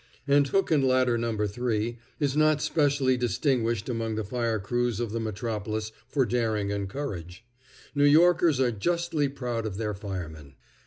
And Hook and Ladder No. 3 is not specially distinguished among the fire crews of the metropolis for daring and courage. New Yorkers are justly proud of their firemen.